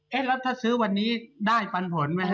แล้วถ้าซื้อวันนี้ได้ปันผลไหมฮ